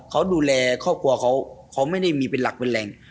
เขาดูแลครอบครัวเขาเขาไม่ได้มีเป็นหลักเป็นแรง